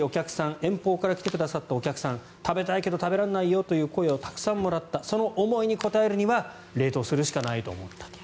遠方から来てくれたお客さん食べたいけど食べられないよという声をたくさんもらったその思いに応えるには冷凍するしかないと思った。